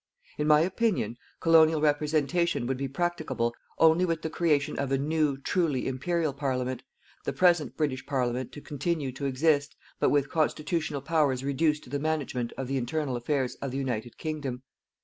In my opinion, Colonial representation would be practicable only with the creation of a new truly Imperial Parliament, the present British Parliament to continue to exist but with constitutional powers reduced to the management of the internal affairs of the United Kingdom.